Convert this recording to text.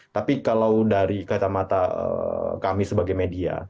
tapi kalau dari kata mata kami sebagai media